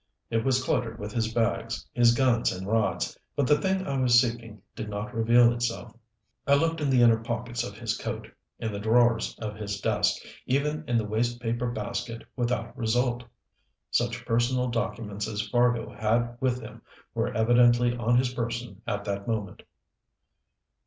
It was cluttered with his bags, his guns and rods, but the thing I was seeking did not reveal itself. I looked in the inner pockets of his coat, in the drawers of his desk, even in the waste paper basket without result. Such personal documents as Fargo had with him were evidently on his person at that moment.